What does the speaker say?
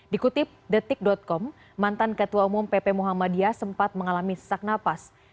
dikutip detik com mantan ketua umum pp muhammadiyah sempat mengalami sesak napas